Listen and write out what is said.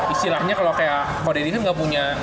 istilahnya kalo kode diri kan ga punya